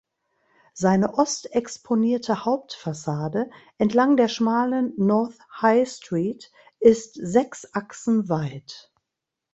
Seine ostexponierte Hauptfassade entlang der schmalen North High Street ist sechs Achsen weit.